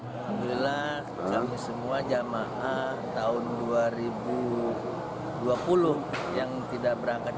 alhamdulillah kami semua jamaah tahun dua ribu dua puluh yang tidak berangkat